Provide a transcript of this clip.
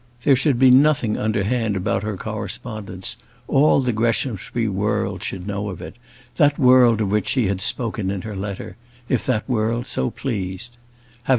There should be nothing underhand about her correspondence: all the Greshamsbury world should know of it that world of which she had spoken in her letter if that world so pleased.